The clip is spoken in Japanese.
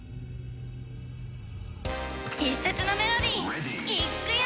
必殺のメロディーいっくよ！